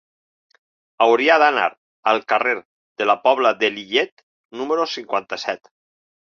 Hauria d'anar al carrer de la Pobla de Lillet número cinquanta-set.